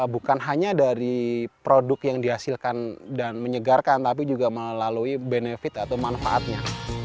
bukan hanya dari produk yang dihasilkan dan menyegarkan tapi juga melalui benefit atau manfaatnya